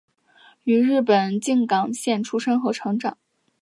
于日本静冈县出生与成长。